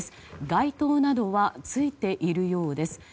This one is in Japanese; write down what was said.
街灯などはついているようです。